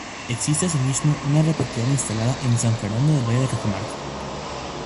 Existe asimismo una repetidora instalada en San Fernando del Valle de Catamarca.